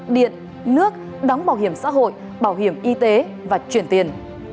điện nước đóng bảo hiểm xã hội bảo hiểm y tế và chuyển tiền